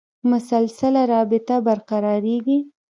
مسلسله رابطه برقرارېږي.